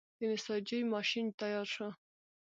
د نساجۍ ماشین تیار شو.